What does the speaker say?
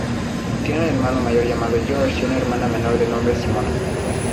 Tiene un hermano mayor llamado George y una hermana menor de nombre Simona.